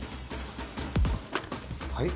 はい？